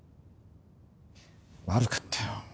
悪かったよ。